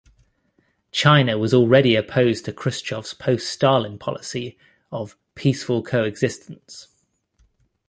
China was already opposed to Khrushchev's post-Stalin policy of "peaceful coexistence".